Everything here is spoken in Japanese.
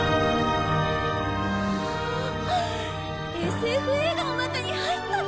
ＳＦ映画の中に入ったみたい！